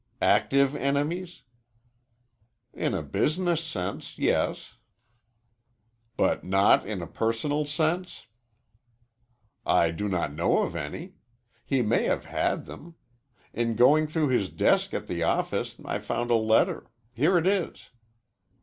"Active enemies?" "In a business sense, yes." "But not in a personal sense?" "I do not know of any. He may have had them. In going through his desk at the office I found a letter. Here it is."